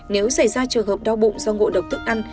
nếu xảy ra trường hợp đau bụng do ngộ độc thức ăn